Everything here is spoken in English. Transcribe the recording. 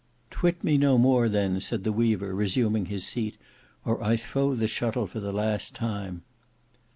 "Twit me no more then," said the weaver resuming his seat, "or I throw the shuttle for the last time."